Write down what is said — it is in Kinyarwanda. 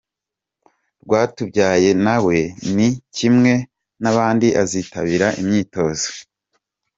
Rwatubyaye na we ni kimwe n’abandi azitabira imyitozo.